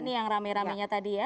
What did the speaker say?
ini yang rame ramenya tadi ya